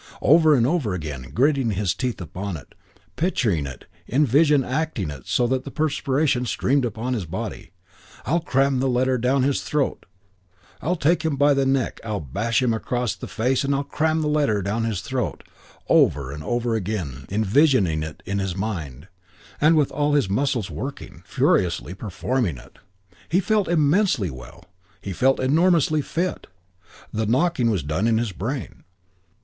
Over and over again; gritting his teeth upon it; picturing it; in vision acting it so that the perspiration streamed upon his body. "I'll cram the letter down his throat. I'll take him by the neck. I'll bash him across the face, and I'll cram the letter down his throat." Over and over again; visioning it; in his mind, and with all his muscles working, ferociously performing it. He felt immensely well. He felt enormously fit. The knocking was done in his brain.